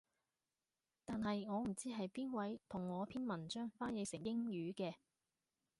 但係我唔知係邊位同我篇文章翻譯成英語嘅